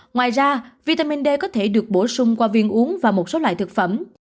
ngoài ra vitamin d có thể được bổ sung qua viên uống và một số loại thực phẩm